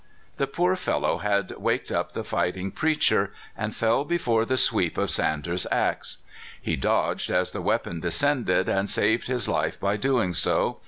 The poor fellow had waked up the fighting preacher, and fell before the sweep of Sanders's ax. He dodged as the weapon descended, and saved his life by doing so.